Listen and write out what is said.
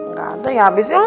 gak ada ya abis itu